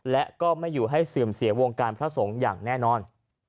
และก็ไม่อยู่ให้เสื่อมเสียวงการพระสงฆ์อย่างแน่นอน